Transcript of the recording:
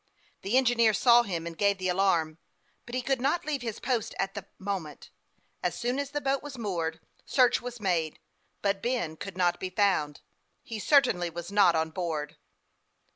The engineer saw him, and gave the alarm ; but he could not leave his post at that moment. As soon as the boat was moored, search was made ; but Ben could not be found. He cer tainly was not on board.